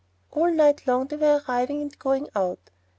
All night long they were arriving and going out.